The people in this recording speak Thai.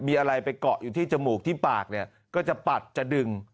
มีอะไรไปเกาะอยู่ที่จมูกที่ปากเนี่ยก็จะปัดจะดึง